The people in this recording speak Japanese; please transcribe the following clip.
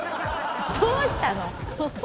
どうしたの？